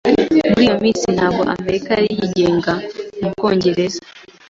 Muri iyo minsi, Amerika ntabwo yari yigenga mu Bwongereza.